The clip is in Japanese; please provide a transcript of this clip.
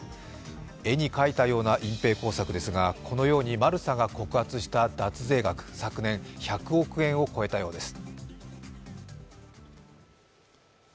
絵に描いたような隠蔽工作ですが、このようにマルサが告発した脱税額、昨年、１００億円を超えたようです。